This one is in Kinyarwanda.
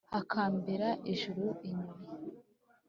hakambera ijuru-inyuma!